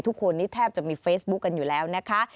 ทุกคนนี้แทบจะมีเฟซบุ๊คกันอยู่แล้วนะคะ